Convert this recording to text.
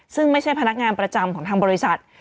ซึ่งไม่ใช่พนักงานประจำของทางบริษัท